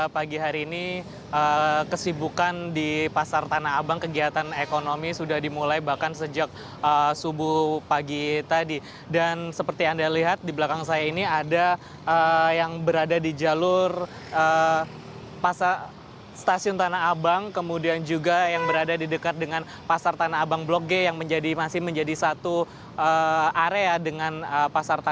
pemerintah provinsi dki jakarta menerima penerimaan dari pemerintah pemprov dki jakarta